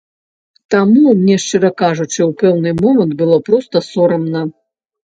Таму мне, шчыра кажучы, у пэўны момант было проста сорамна.